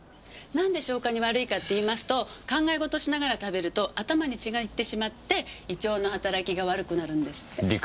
なんで消化に悪いかっていいますと考え事しながら食べると頭に血がいってしまって胃腸の働きが悪くなるんですって。